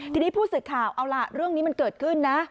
ทีนี้ผู้สื่อข่าวเอาล่ะเรื่องนี้มันเกิดขึ้นนะ